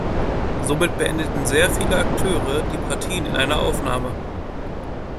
Somit beendeten sehr viele Akteure die Partien in einer Aufnahme.